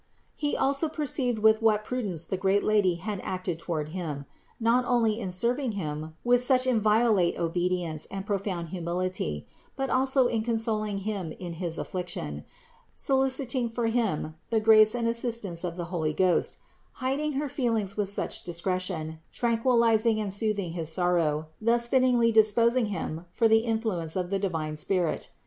He also perceived with what prudence the great Lady had acted toward him, not only in serving him with such inviolate obedience and pro found humility, but also in consoling him in his affliction, soliciting for him the grace and assistance of the Holy Ghost, hiding her feelings with such discretion, tran quilizing and soothing his sorrow, thus fittingly dispos ing him for the influence of the divine Spirit.